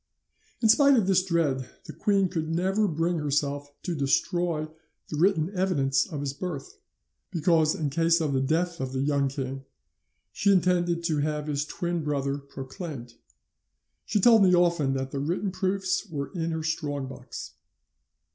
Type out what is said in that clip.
"'In spite of this dread, the queen could never bring herself to destroy the written evidence of his birth, because in case of the death of the young king she intended to have his twin brother proclaimed. She told me often that the written proofs were in her strong box.